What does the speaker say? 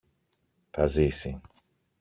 Θα ζήσει!